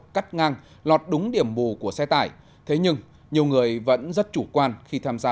cắt ngang lọt đúng điểm bù của xe tải thế nhưng nhiều người vẫn rất chủ quan khi tham gia